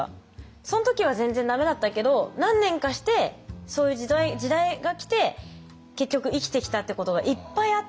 その時は全然駄目だったけど何年かしてそういう時代が来て結局生きてきたってことがいっぱいあって。